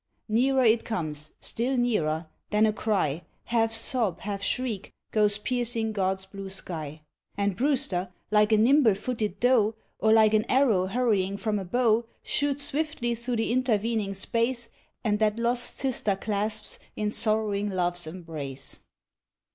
Nearer it comes, still nearer, then a cry, Half sob, half shriek, goes piercing God's blue sky, And Brewster, like a nimble footed doe, Or like an arrow hurrying from a bow, Shoots swiftly through the intervening space And that lost sister clasps, in sorrowing love's embrace.